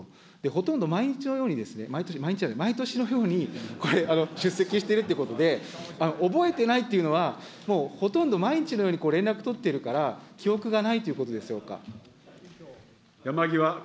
ほとんど毎日のように、毎日じゃない、毎年のように、これ、出席しているということで、覚えてないっていうのは、もうほとんど毎日のように連絡取ってるから、記憶がないということでしょうか。